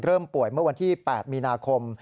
ป่วยเมื่อวันที่๘มีนาคม